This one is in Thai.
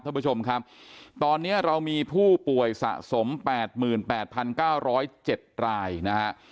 ท่านผู้ชมครับตอนนี้เรามีผู้ป่วยสะสม๘๘๙๐๗รายนะฮะ